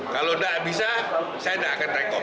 kalau gak bisa saya gak akan rekom